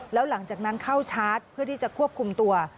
แล้วหลังจากนั้นเข้าชาร์จเพื่อที่จะควบคุมตัว